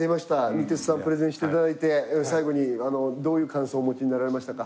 日鉄さんプレゼンしていただいて最後にどういう感想お持ちになられましたか？